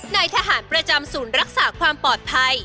นายทหารประจำศูนย์รักษาความปลอดภัย